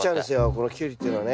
このキュウリっていうのはね。